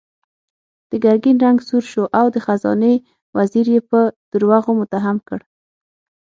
د ګرګين رنګ سور شو او د خزانې وزير يې په دروغو متهم کړ.